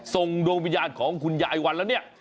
ที่ทรงโดโมญาตของคุณยายหวันแล้วเนี่ย